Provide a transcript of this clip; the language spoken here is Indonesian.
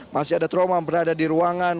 masih ada trauma berada di ruangan